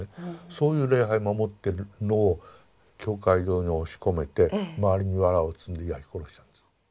そういう礼拝を守ってるのを教会堂に押し込めて周りにわらを積んで焼き殺したんです。